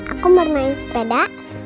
aku bermain sepeda